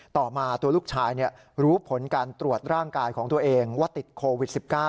ต่อมาตัวลูกชายรู้ผลการตรวจร่างกายของตัวเองว่าติดโควิด๑๙